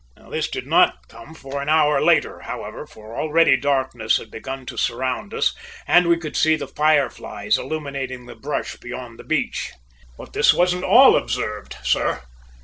This did not come for an hour later, however, for already darkness had begun to surround us and we could see the fireflies illuminating the brush beyond the beach. But this wasn't all observed, sir.